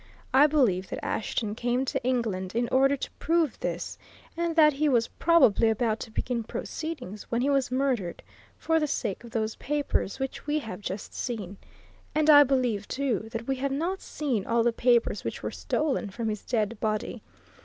I believe that Ashton came to England in order to prove this, and that he was probably about to begin proceedings when he was murdered for the sake of those papers which we have just seen. And I believe, too, that we have not seen all the papers which were stolen from his dead body.